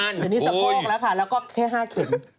อันนี้โซโกร์กแล้วค่ะแล้วก็แค่๕เข็ม